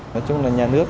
nói chung là nhà nước